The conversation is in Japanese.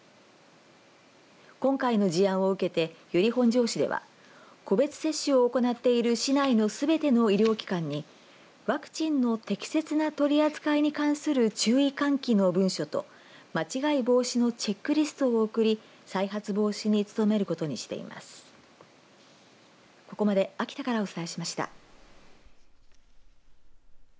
今回の事案を受けて由利本荘市では個別接種を行っている市内のすべての医療機関にワクチンの適切な取り扱いに関する注意喚起の文書と間違い防止のチェックリストを送り再発防止に努めることにしています。